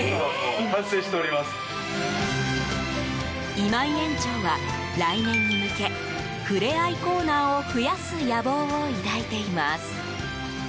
今井園長は来年に向け触れ合いコーナーを増やす野望を抱いています。